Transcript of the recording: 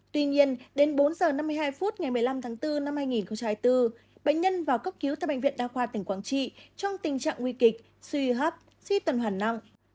tuy nhiên đến bốn h năm mươi hai phút ngày một mươi năm tháng bốn năm hai nghìn hai mươi bốn bệnh nhân vào cấp cứu tại bệnh viện đa khoa tỉnh quảng trị trong tình trạng nguy kịch suy hấp suy tuần hoàn nặng